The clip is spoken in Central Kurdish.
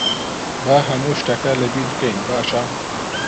با هەموو شتەکە لەبیر بکەین، باشە؟